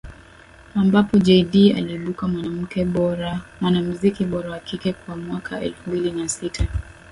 ambapo Jay dee aliibuka Mwanamziki Bora wa Kike kwa mwaka elfu mbili na sita